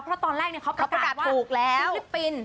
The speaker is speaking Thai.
เพราะตอนแรกเขาประกาศว่าฟิลิปปินส์